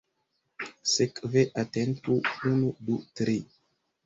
Sekve atentu: unu, du, tri!